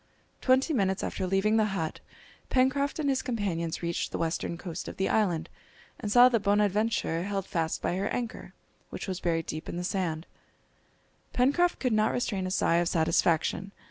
Twenty minutes after leaving the hut Pencroft and his companions reached the western coast of the island, and saw the Bonadventure held fast by her anchor, which was buried deep in the sand. Pencroft could not restrain a sigh of satisfaction.